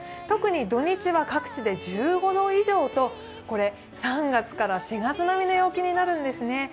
特に土日は各地で１５度以上とこれ、３月から４月並みの陽気になるんですね。